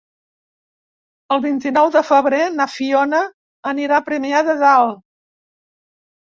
El vint-i-nou de febrer na Fiona anirà a Premià de Dalt.